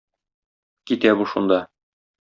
Китә бу шунда.